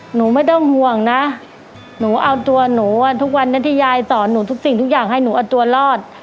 หนูไม่ต้องห่วงนะหนูเอาตัวหนูทุกวันนี้ที่ยายสอนหนูทุกสิ่งทุกอย่างให้หนูเอาตัวรอด